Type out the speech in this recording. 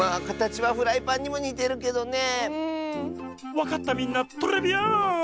わかったみんなトレビアーン！